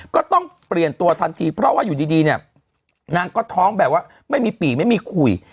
ก็ต้องเปลี่ยนตัวทันทีเพราะว่าอยู่ดีเนี่ยนางก็ท้องแบบว่าไม่มีปีไม่มีคุย